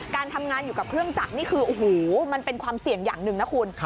การทำงานอยู่กับเครื่องจักรนี่คือโอ้โหมันเป็นความเสี่ยงอย่างหนึ่งนะคุณ